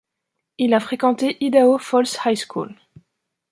Il a fréquenté Idaho Falls High School.